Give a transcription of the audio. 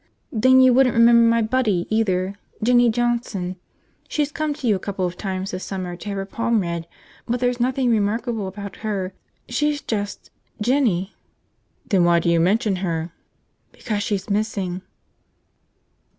"Then you wouldn't remember my buddy, either. Jinny Johnson. She's come to you a couple of times this summer to have her palm read, but there's nothing remarkable about her. She's just – Jinny." "Then why do you mention her?" "Because she's missing."